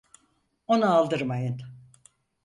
Ona aldırmayın.